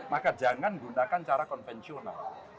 maka jangan gunakan cara konvensional